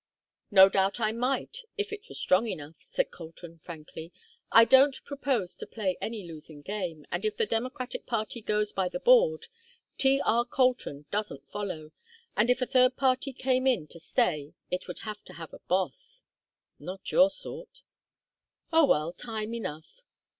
"No doubt I might, if it were strong enough," said Colton, frankly. "I don't propose to play any losing game, and if the Democratic party goes by the board, T. R. Colton doesn't follow. And if a third party came in to stay it would have to have a boss " "Not your sort." "Oh, well, time enough."